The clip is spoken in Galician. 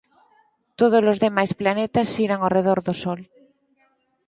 Tódolos demais planetas xiran arredor do Sol.